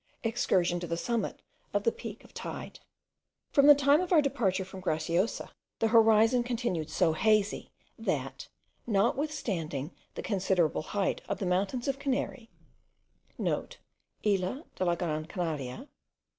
EXCURSION TO THE SUMMIT OF THE PEAK OF TEYDE. From the time of our departure from Graciosa, the horizon continued so hazy, that, notwithstanding the considerable height of the mountains of Canary,* (* Isla de la Gran Canaria.)